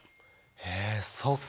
へえそっかあ。